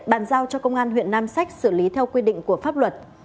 bàn giao cho công an huyện nam sách xử lý theo quy định của pháp luật